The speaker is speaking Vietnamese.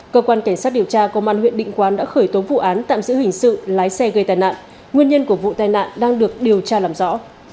cơ quan cảnh sát điều tra công an huyện định quán đã khởi tố vụ án tạm giữ hình sự lái xe gây tai nạn nguyên nhân của vụ tai nạn đang được điều tra làm rõ